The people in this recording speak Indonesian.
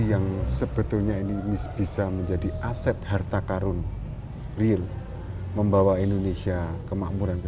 yang sebetulnya ini bisa menjadi aset harta karun real membawa indonesia kemakmuran